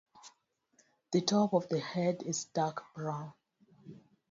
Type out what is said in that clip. The top of the head is dark brown.